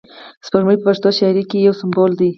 سپوږمۍ په پښتو شاعري کښي یو سمبول دئ.